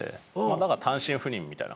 だから単身赴任みたいな感じで。